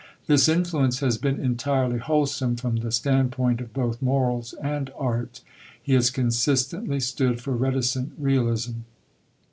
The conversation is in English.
This influence has been entirely wholesome, from the standpoint of both morals and Art. He has consistently stood for Reticent Realism.